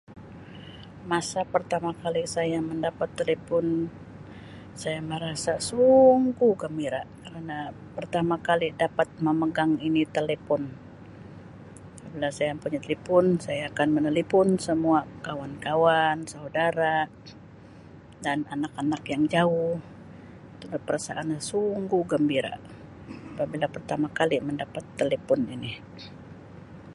Masa pertama kali saya mendapat telipon saya merasa sungguh gembira kerna pertama kali dapat memegang ini telipon, apabila saya mempunyai telipon saya akan menelipon semua kawan-kawan, saudara dan anak-anak yang jauh. Dengan perasaan sungguh gembira apabila pertama kali mendapat telipon ini.